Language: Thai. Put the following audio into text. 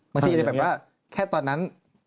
เมื่อกี้ก็จะแบบว่าแค่ตอนนั้น